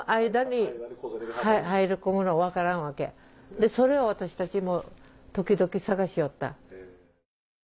でそれを私たちも時々探しよった。